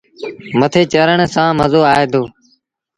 مٿي چڙڄڻ سآݩ مزو آئي دو۔